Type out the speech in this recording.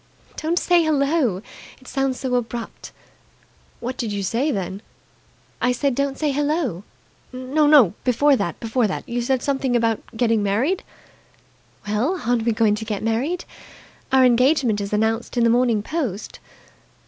"Don't say 'Hello!' It sounds so abrupt!" "What did you say then?" "I said 'Don't say Hello!'" "No, before that! Before that! You said something about getting married." "Well, aren't we going to get married? Our engagement is announced in the Morning Post."